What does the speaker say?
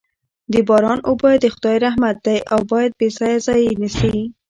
د باران اوبه د خدای رحمت دی او باید بې ځایه ضایع نه سي.